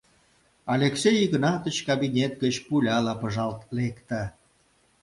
Алексей Игнатыч кабинет гыч пуляла пыжалт лекте.